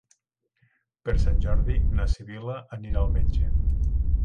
Per Sant Jordi na Sibil·la anirà al metge.